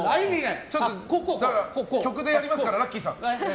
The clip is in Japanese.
曲でやりますからラッキィさん。